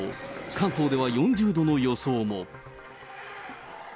関東では４０度の予想も。